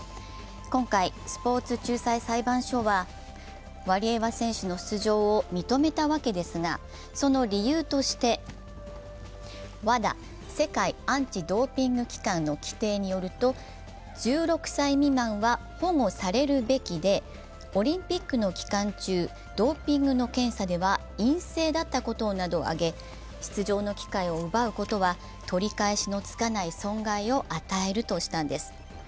今回、スポーツ仲裁裁判所はワリエワ選手の出場を認めたわけですが、その理由として、ＷＡＤＡ＝世界反ドーピング機関の規定によると１６歳未満は保護されるべきでオリンピックの期間中、ドーピングの検査では陰性だったことなどを挙げ、出場の機会を奪うことは取り返しのつかない損害を与えるとしたんです。